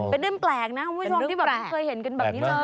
เป็นดึงแปลกนะคุณผู้ชมที่เคยเห็นเหรอ